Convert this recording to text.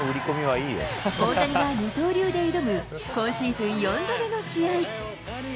大谷が二刀流で挑む今シーズン４度目の試合。